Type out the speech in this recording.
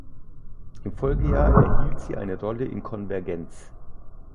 Im Folgejahr erhielt sie eine Rolle in "Convergence".